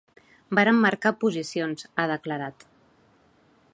Vàrem marcar posicions, ha declarat.